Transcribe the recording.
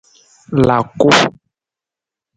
Laku.